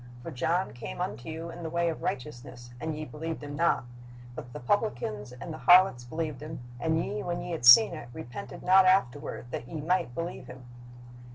For John came unto you in the way of righteousness, and ye believed him not; but the publicans and the harlots believed him: and ye, when ye had seen it, repented not afterward, that ye might believe him."